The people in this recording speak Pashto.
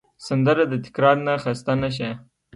سندره د تکرار نه خسته نه شي